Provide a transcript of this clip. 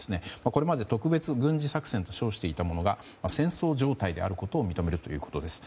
これまで特別軍事作戦と称していたものが戦争状態であることを認めるということです。